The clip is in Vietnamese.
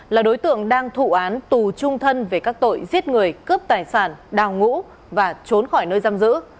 là đối tượng đang thụ án tù trung thân về các tội giết người cướp tài sản đào ngũ và trốn khỏi nơi giam giữ